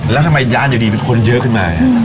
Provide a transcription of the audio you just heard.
แล้วทำไมร้านอยู่ดีเป็นคนเยอะขึ้นมา